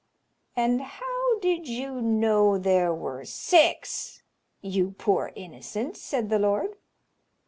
"And how did you know there were six, you poor innocent?" said the lord.